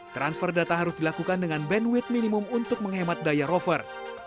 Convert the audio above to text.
transfer data harus dilakukan dengan bandwidh minimum untuk menghemat daya rover